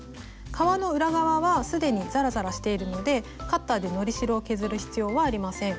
革の裏側は既にザラザラしているのでカッターでのり代を削る必要はありません。